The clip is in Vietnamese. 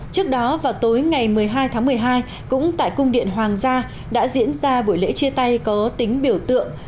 trước đó vào tối ngày một mươi hai tháng một mươi hai cũng tại cung điện hoàng gia đã diễn ra buổi lễ chia tay có tính biểu tượng